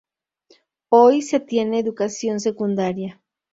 Hoy se tiene educación secundaria.